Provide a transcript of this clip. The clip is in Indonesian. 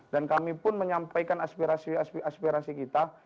dan kami pun menyampaikan aspirasi aspirasi kita